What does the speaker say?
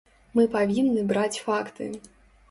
Мы павінны браць факты.